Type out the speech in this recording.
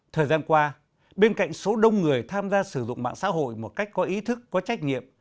thời gian qua bên cạnh số đông người tham gia sử dụng mạng xã hội một cách có ý thức có trách nhiệm